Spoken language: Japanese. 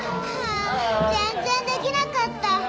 ハァ全然できなかった。